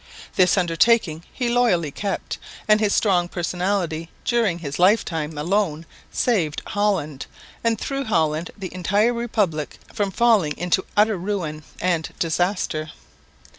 This undertaking he loyally kept, and his strong personality during his life time alone saved Holland, and through Holland the entire Republic, from falling into utter ruin and disaster.